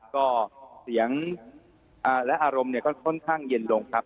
ก็เสียงและอารมณ์เนี่ยก็ค่อนข้างเย็นลงครับ